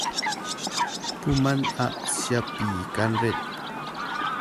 Pu man ah siapi kan ranh.